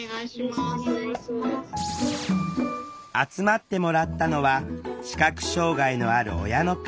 集まってもらったのは視覚障害のある親の会